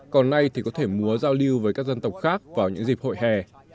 còn nay thì có thể múa giao lưu với các dân tộc khác vào những dịp hội hè